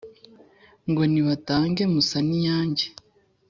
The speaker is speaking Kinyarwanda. Ngo nibatange Musaninyange,